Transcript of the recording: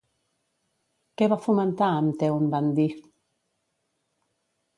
Què va fomentar amb Teun van Dijk?